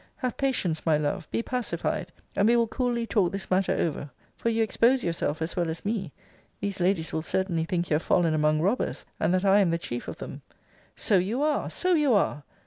Have patience, my love. Be pacified; and we will coolly talk this matter over: for you expose yourself, as well as me: these ladies will certainly think you have fallen among robbers, and that I am the chief of them. So you are! so you are!